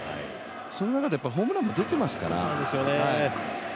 その中でホームランも出てますから。